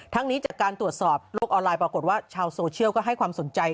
นี้จากการตรวจสอบโลกออนไลน์ปรากฏว่าชาวโซเชียลก็ให้ความสนใจ